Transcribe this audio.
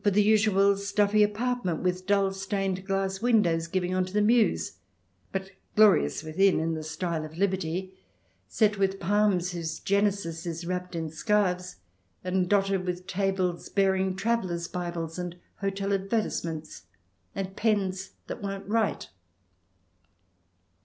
XX] TRIER 279 usual stuffy apartment with dull stained glass windows giving on to the mews, but glorious within in the style of Liberty, set with palms whose genesis is wrapped in scarves, and dotted with tables bearing travellers' Bibles and hotel advertise ments, and pens that won't write.